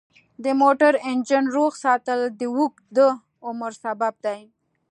د موټر انجن روغ ساتل د اوږده عمر سبب دی.